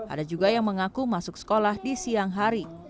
ada juga yang mengaku masuk sekolah di siang hari